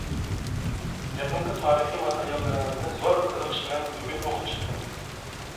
يېقىنقى تارىخى ماتېرىيالىڭىزنى زور قىزىقىش بىلەن بۈگۈن ئوقۇپ چىقتىم.